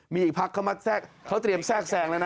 มีอีกพักเขามาแทรกเขาเตรียมแทรกแทรงแล้วนะ